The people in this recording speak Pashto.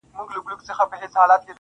o لاسو كې توري دي لاسو كي يې غمى نه دی.